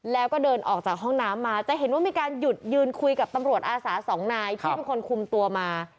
แล้วก็เดินออกจากห้องน้ำมาจะเห็นว่ามีการหยุดยืนคุยกับตำรวจอาสาสองนายที่เป็นคนคุมตัวมา